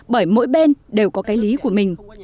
bởi mỗi bên đều có cái lý của mình